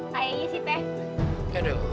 kayaknya sih tete